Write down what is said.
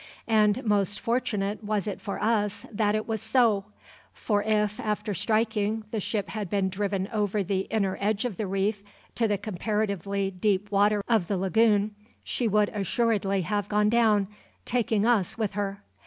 And most fortunate was it for us that it was so; for if, after striking, the ship had been driven over the inner edge of the reef to the comparatively deep water of the lagoon, she would assuredly have gone down, taking us with her.